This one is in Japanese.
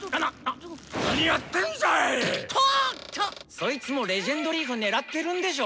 そいつも「レジェンドリーフ」狙ってるんでしょ。